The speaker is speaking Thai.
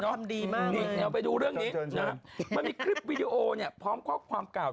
เขาทำดีมากเลยนะครับเดี๋ยวไปดูเรื่องนี้นะครับมันมีคลิปวิดีโอเนี่ยพร้อมข้อความกล่าว